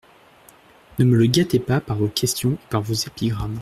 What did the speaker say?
Ne me le gâtez pas par vos questions et par vos épigrammes.